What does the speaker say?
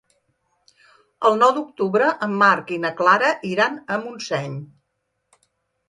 El nou d'octubre en Marc i na Clara iran a Montseny.